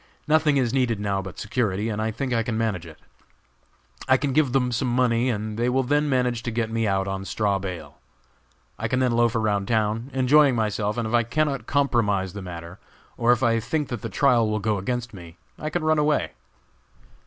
Nothing is needed now but security, and I think I can manage it. I can give them some money, and they will then manage to get me out on straw bail. I can then loaf around town, enjoying myself, and if I cannot compromise the matter, or if I think that the trial will go against me, I can run away.